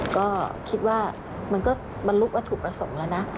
ก็คิดว่ามันลุกว่าถูกประสงค์แล้วนะ